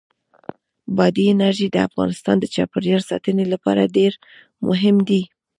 بادي انرژي د افغانستان د چاپیریال ساتنې لپاره ډېر مهم دي.